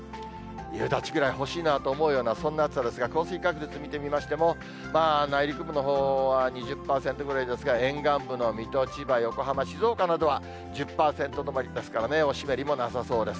夕立ぐらい欲しいなと思うような、そんな暑さですが、降水確率見てみましても、内陸部のほうは２０％ぐらいですが、沿岸部の水戸、千葉、横浜、静岡などは、１０％止まりですからね、お湿りもなさそうです。